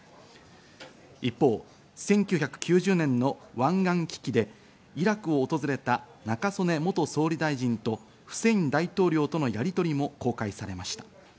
一方、１９９０年の湾岸危機でイラクを訪れた中曽根元総理大臣とフセイン大統領とのやりとりも公開されました。